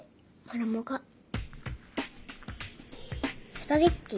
スパゲティ。